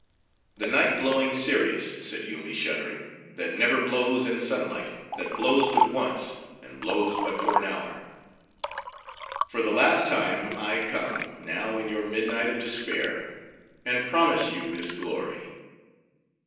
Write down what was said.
"The night blowing Cereus!" said Yoomy, shuddering, "that never blows in sun light; that blows but once; and blows but for an hour.—For the last time I come; now, in your midnight of despair, and promise you this glory.